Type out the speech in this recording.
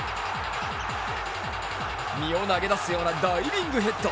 身を投げ出すようなダイビングヘッド。